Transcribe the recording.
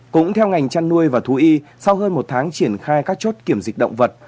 cũng theo ngành chăn nuôi và thú y sau hơn một tháng triển khai các chốt kiểm dịch động vật